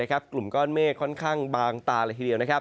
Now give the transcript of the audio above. กลุ่มก้อนเมฆค่อนข้างบางตาเลยทีเดียว